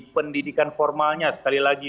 pendidikan formalnya sekali lagi